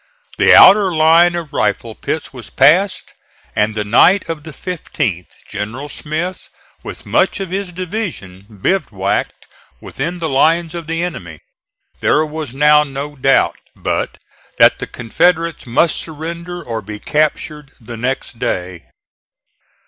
The outer line of rifle pits was passed, and the night of the 15th General Smith, with much of his division, bivouacked within the lines of the enemy. There was now no doubt but that the Confederates must surrender or be captured the next day.